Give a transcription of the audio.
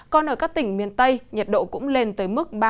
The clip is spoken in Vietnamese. còn ở các tỉnh miền tây nhiệt độ cũng lên tới mức ba mươi bốn ba mươi sáu độ